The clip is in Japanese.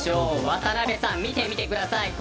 渡辺さん、見てください。